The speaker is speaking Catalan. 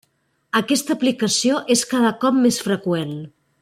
Aquesta aplicació és cada cop més freqüent.